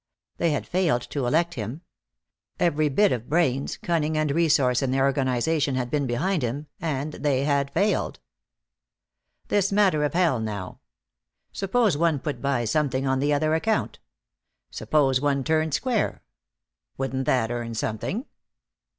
They had failed to elect him. Every bit of brains, cunning and resource in their organization had been behind him, and they had failed. This matter of hell, now? Suppose one put by something on the other account? Suppose one turned square? Wouldn't that earn something?